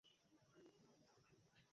Tornado সমতল ধ্বংস করার বেশি সময় বাকি নেই।